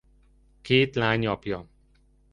Két lány apja.